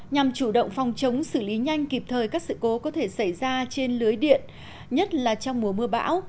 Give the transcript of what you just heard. nhằm chủ động phòng chống xử lý nhanh kịp thời các sự cố có thể xảy ra trên lưới điện nhất là trong mùa mưa bão